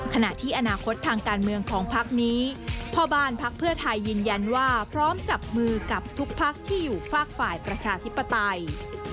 ขณะที่อนาคตทางการเมืองของพักนี้พ่อบ้านพักเพื่อไทยยืนยันว่าพร้อมจับมือกับทุกพักที่อยู่ฝากฝ่ายประชาธิปไตย